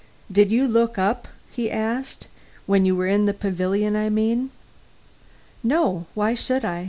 "Did you look up?" he asked; "when you were in the pavilion, I mean?" "No; why should I?